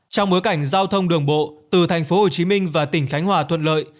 trong bối cảnh giao thông đường bộ từ thành phố hồ chí minh và tỉnh khánh hòa thuận lợi